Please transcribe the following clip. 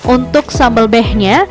untuk sambal behnya